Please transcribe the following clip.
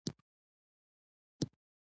نجلۍ د مینې یو راز ده.